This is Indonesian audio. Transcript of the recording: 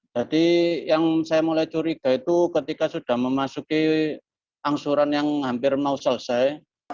jadi yang saya mulai curiga itu ketika sudah memasuki angsuran yang hampir mau selesai